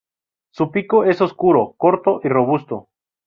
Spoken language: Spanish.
Su pico es oscuro, corto y robusto.